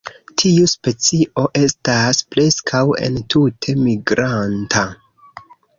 Tiu specio estas preskaŭ entute migranta.